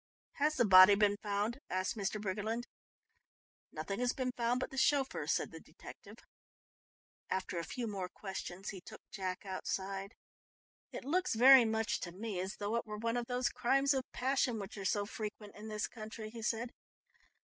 "Has the body been found?" asked Mr. Briggerland. "Nothing has been found but the chauffeur," said the detective. After a few more questions he took Jack outside. "It looks very much to me as though it were one of those crimes of passion which are so frequent in this country," he said.